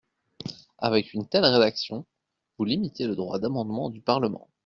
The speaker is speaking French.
Avec une telle rédaction, vous limitez le droit d’amendement du Parlement.